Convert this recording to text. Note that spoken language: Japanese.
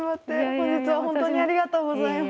本日は本当にありがとうございます。